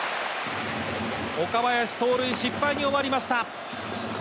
岡林、盗塁失敗に終わりました。